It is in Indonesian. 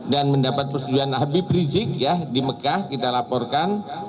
dan mendapat persetujuan nabi prinsip ya di mekah kita laporkan